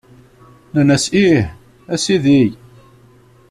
Nnan-as Ih, a Sidi!